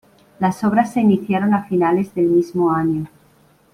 Las obras se iniciaron a finales del mismo año.